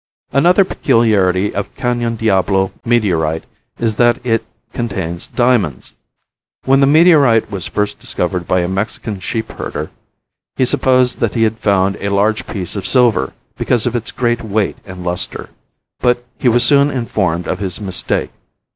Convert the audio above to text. Another peculiarity of Canon Diablo meteorite is that it contains diamonds. When the meteorite was first discovered by a Mexican sheep herder he supposed that he had found a large piece of silver, because of its great weight and luster, but he was soon informed of his mistake.